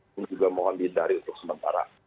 pun juga mohon dihindari untuk sementara